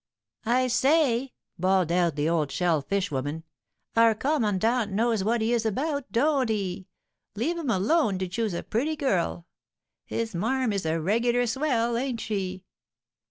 "I say," bawled out the old shell fish woman, "our commandant knows what he is about, don't he? Leave him alone to choose a pretty girl. His marm is a regular swell, ain't she?"